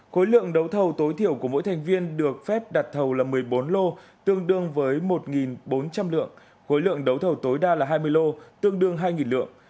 khối lượng đấu thầu tối thiểu của mỗi thành viên được phép đặt thầu là một mươi bốn lô tương đương với một bốn trăm linh lượng khối lượng đấu thầu tối đa là hai mươi lô tương đương hai lượng